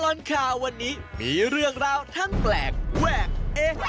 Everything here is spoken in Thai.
ตลอดข่าววันนี้มีเรื่องราวทั้งแปลกแวกเอ๊ะ